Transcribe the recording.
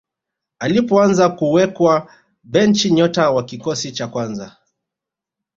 alipoanza kuwekwa benchi nyota wa kikosi cha kwanza